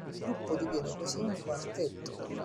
Il gruppo diviene così un quartetto.